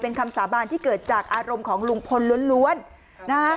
เป็นคำสาบานที่เกิดจากอารมณ์ของลุงพลล้วนนะฮะ